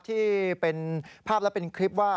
ที่ภาพแล้วเป็นคลิปว่า